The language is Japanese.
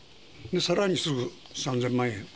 さらにすぐ３０００万円。